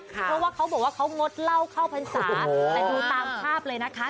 เพราะว่าเขาบอกว่าเขางดเหล้าเข้าพรรษาแต่ดูตามภาพเลยนะคะ